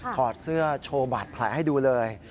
อดเสื้อโชว์บาดแผลให้ดูเลย